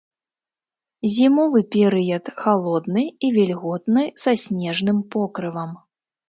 Зімовы перыяд халодны і вільготны са снежным покрывам.